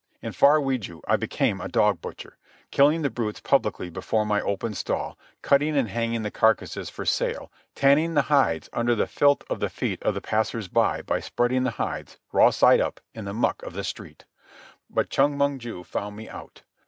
In far Wiju I became a dog butcher, killing the brutes publicly before my open stall, cutting and hanging the carcasses for sale, tanning the hides under the filth of the feet of the passers by by spreading the hides, raw side up, in the muck of the street. But Chong Mong ju found me out.